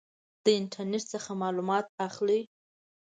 د انټرنټ څخه معلومات اخلئ؟